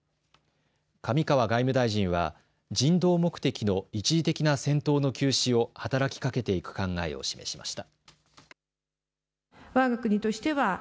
上川外務大臣は人道目的の一時的な戦闘の休止を働きかけていく考えを示しました。